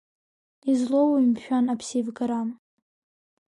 Излоуи, мшәан, аԥсеивгара?!